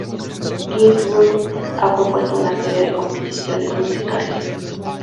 Ginsburg ha compuesto una serie de composiciones musicales.